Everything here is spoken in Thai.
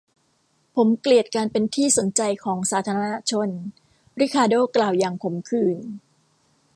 ผมเกลียดการเป็นที่สนใจของสาธารณะชน ริคาร์โด้กล่าวอย่างขมขื่น